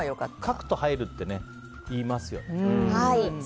書くと入るって言いますよね。